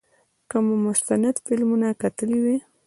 که مو مستند فلمونه کتلي وي.